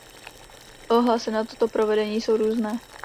Ohlasy na toto provedení jsou různé.